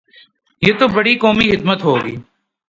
تو یہ بڑی قومی خدمت ہو گی۔